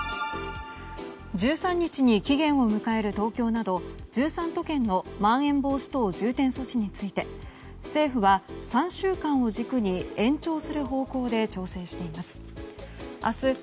１３日に期限を迎える東京など１３都県のまん延防止等重点措置について政府は３週間を軸に延長する方向で調整しています。